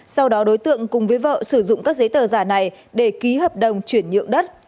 sau đó đối tượng cùng với vợ sử dụng các giấy tờ giả này để ký hợp đồng chuyển nhượng đất